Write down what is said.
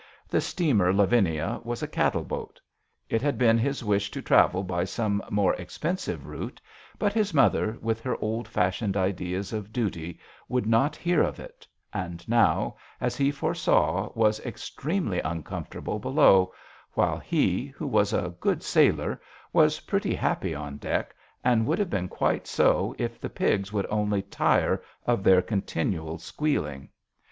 The Lavinia was a cattle boat. It had been his wish to travel by some more expensive route, but his mother, with her old fashioned ideas of duty, would not hear of it, and now, as he foresaw, was extremely uncomfortable below, while he, who was a good sailor, was pretty happy on deck, and would have been quite so if the pigs would only tire of their continual squealing.